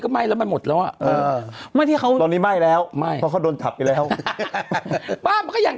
คุณเป็นลูกค้าเลยฮะคุณเนี่ยนะ